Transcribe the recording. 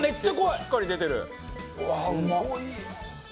しっかり出てる。